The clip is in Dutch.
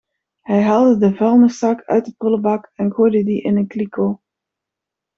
Hij haalde de vuilniszak uit de prullenbak en gooide die in een kliko.